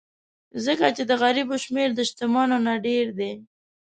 ځکه چې د غریبو شمېر د شتمنو نه ډېر دی.